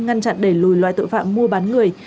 ngăn chặn đẩy lùi loại tội phạm mua bán người